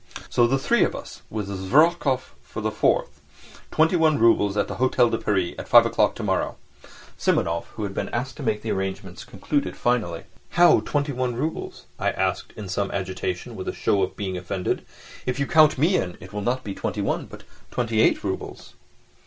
"So the three of us, with Zverkov for the fourth, twenty one roubles, at the Hôtel de Paris at five o'clock tomorrow," Simonov, who had been asked to make the arrangements, concluded finally. "How twenty one roubles?" I asked in some agitation, with a show of being offended; "if you count me it will not be twenty one, but twenty eight roubles."